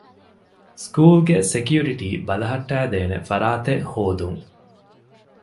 ސްކޫލްގެ ސެކިއުރިޓީ ބަލަހައްޓައިދޭނެ ފަރާތެއް ހޯދުން